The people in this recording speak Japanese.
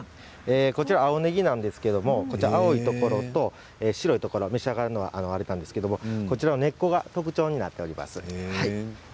青ねぎなんですけど青いところと白いところ召し上がるのはあるんですが根っこが特徴になっております。